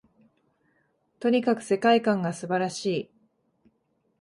とにかく世界観が素晴らしい